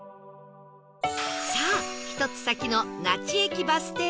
さあ１つ先の那智駅バス停へ